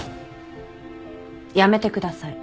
やめてください。